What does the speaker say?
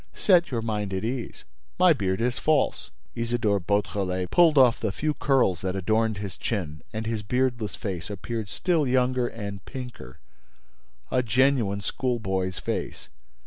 Set your mind at ease: my beard is false!" Isidore Beautrelet pulled off the few curls that adorned his chin, and his beardless face appeared still younger and pinker, a genuine schoolboy's face.